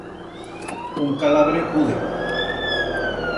Un calavre pude.